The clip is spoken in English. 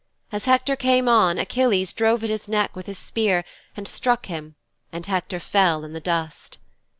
As Hector came on Achilles drove at his neck with his spear and struck him and Hector fell in the dust.'